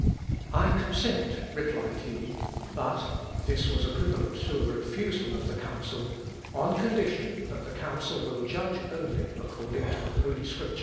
"I consent," replied he, "but (this was equivalent to a refusal of the Council) on condition that the Council will judge only according to the Holy Scriptures."